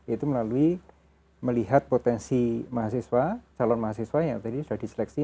itu melalui melihat potensi mahasiswa calon mahasiswa yang tadi sudah diseleksi